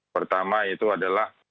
pertama itu adalah